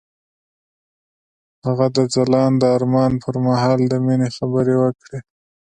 هغه د ځلانده آرمان پر مهال د مینې خبرې وکړې.